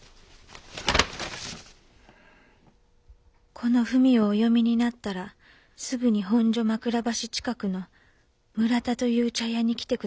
「この文をお読みになったらすぐに本所枕橋近くのむらたという茶屋に来て下さい。